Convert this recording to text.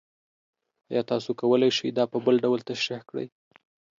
ایا تاسو کولی شئ دا په بل ډول تشریح کړئ؟